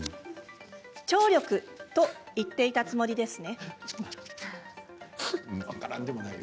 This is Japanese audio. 聴力と言っていたつもりですね。